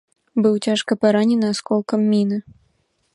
Быў цяжка паранены асколкам міны.